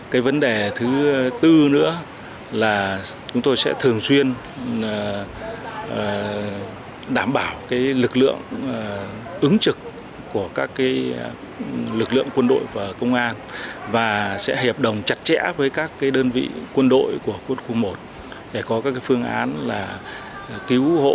cái vấn đề thứ tư nữa là chúng tôi sẽ thường xuyên đảm bảo cái lực lượng ứng trực của các cái lực lượng quân đội và công an và sẽ hiệp đồng chặt chẽ với các cái đơn vị quân đội của quân khu một để có các cái phương án là cứu hộ